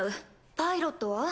パイロットは？